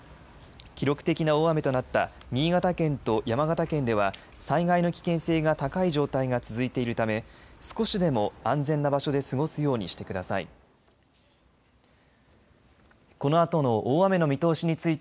記録的な大雨となった新潟県と山形県では災害の危険性が高い状態が続いているため少しでも安全な場所で過ごすようにしてください。